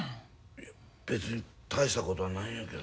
いや別に大したことはないんやけど。